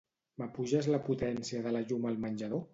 M'apuges la potència de la llum al menjador?